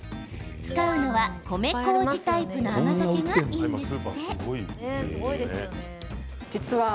使うのは米こうじタイプの甘酒がいいんですって。